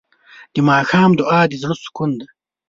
د ماښام دعا د زړه سکون دی.